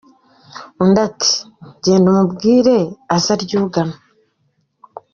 " Undi ati: «Genda umubwire aze aryugame».